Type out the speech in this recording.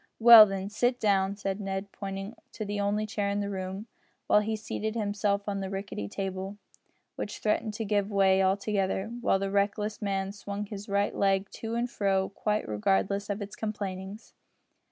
"Well, then, sit down," said Ned, pointing to the only chair in the room, while he seated himself on the rickety table, which threatened to give way altogether, while the reckless man swung his right leg to and fro quite regardless of its complainings.